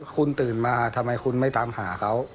คุณตื่นมาทำไมคุณไม่ตามหาเขา